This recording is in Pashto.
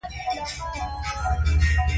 • باران د خوښۍ سندره ده.